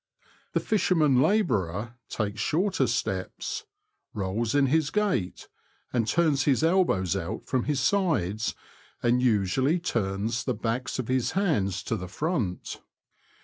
The fisherman labourer takes shorter steps, rolls in his gait, and turns his elbows out from his sides, and usually turns the backs of his hands to the front.